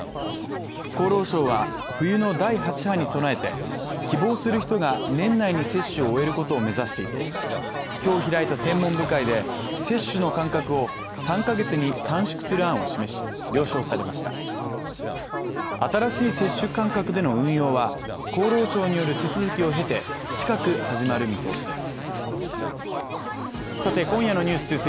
厚労省は冬の第８波に備えて希望する人が年内に接種を終えることを目指していて今日開いた専門部会で接種の間隔を３か月に短縮する案を示し了承されました新しい接種間隔での運用は厚労省による手続きを経て近く始まる見通しです